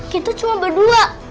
kita cuma berdua